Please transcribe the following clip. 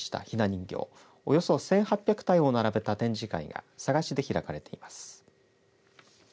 ひな人形およそ１８００体を並べた展示会が佐賀市で開かれています。